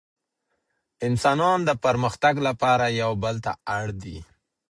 انسانان د پرمختګ لپاره يو بل ته اړ دي.